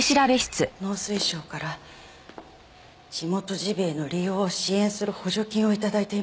農水省から地元ジビエの利用を支援する補助金を頂いています。